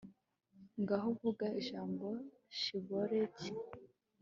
ngaho vuga ijambo shiboleti